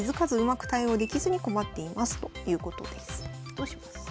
どうしますか？